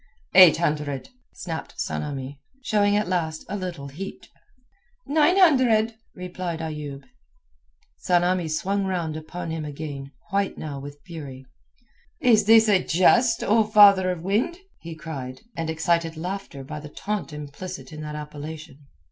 "Eight hundred," snapped Tsamanni, showing at last a little heat. "Nine hundred," replied Ayoub. Tsamanni swung round upon him again, white now with fury. "Is this a jest, O father of wind?" he cried, and excited laughter by the taunt implicit in that appellation.